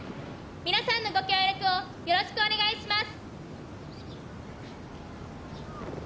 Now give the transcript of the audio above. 皆さんのご協力をよろしくお願いします。